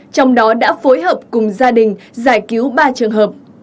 trong đó đã phối hợp cùng gia đình giải cứu ba trường hợp